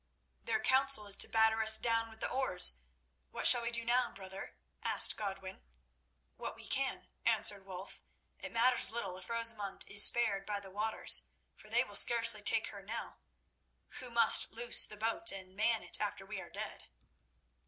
"Their counsel is to batter us down with the oars. What shall we do now, brother?" asked Godwin. "What we can," answered Wulf. "It matters little if Rosamund is spared by the waters, for they will scarcely take her now, who must loose the boat and man it after we are dead."